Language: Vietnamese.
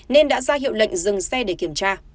nên đã ra hiệu lệnh dừng xe để kiểm tra